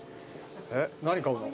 えっ何買うの？